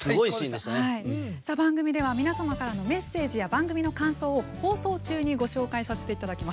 番組では皆様からのメッセージや番組の感想を放送中に紹介します。